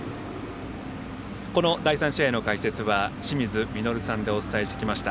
第３試合の解説は清水稔さんでお伝えしてきました。